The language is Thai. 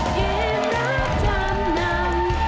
เกมรับท่านน้ำ